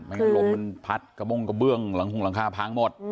มันลมมันพัดกระบ้งกระเบื้องหลังคงหลังคาพังหมด